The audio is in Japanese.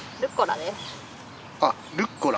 あっルッコラ？